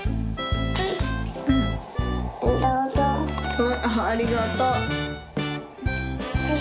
うんありがとう。どうぞ。